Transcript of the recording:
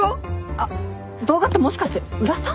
あっ動画ってもしかして宇良さん？